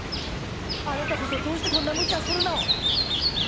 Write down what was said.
あなたこそどうしてこんなむちゃするの！